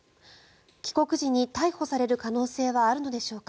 帰国時に逮捕される可能性はあるのでしょうか。